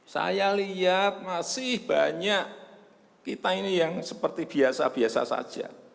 saya lihat masih banyak kita ini yang seperti biasa biasa saja